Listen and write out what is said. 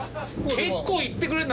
結構行ってくれるんだな。